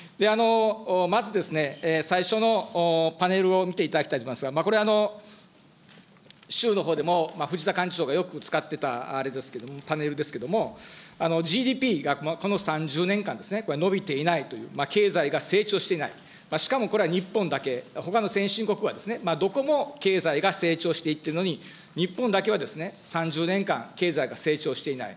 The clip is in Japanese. まず最初のパネルを見ていただきたいと思いますが、これ、しゅうのほうでもふじた幹事長がよく使ってたあれですけれども、パネルですけれども、ＧＤＰがこの３０年間ですね、伸びていないという、経済が成長していない、しかもこれは日本だけ、ほかの先進国は、どこも経済が成長していっているのに、日本だけは、３０年間経済が成長していない。